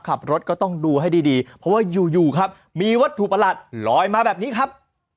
ขับรถก็ต้องดูให้ดีเพราะว่าอยู่ครับมีวัตถุประหลาดลอยมาแบบนี้ครับ